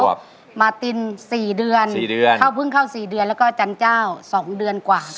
สองขวบมาตินสี่เดือนสี่เดือนเข้าเพิ่งเข้าสี่เดือนแล้วก็จันเจ้าสองเดือนกว่าค่ะ